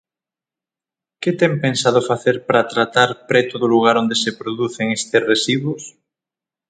¿Que ten pensado facer para tratar preto do lugar onde se producen estes residuos?